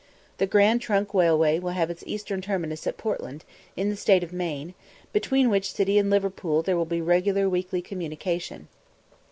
The Grand Trunk Railway will have its eastern terminus at Portland, in the State of Maine, between which city and Liverpool there will be regular weekly communication.